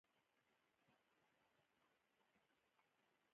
شېخ عیسي مشواڼي د هندي او افغاني ګډ ثقافت ممثل ګڼل سوى دئ.